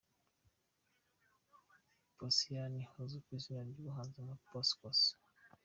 Posiyani uzwi ku izina ry'ubuhanzi nka Poscos.